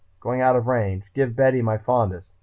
Going out of range. Give Betty my fondest.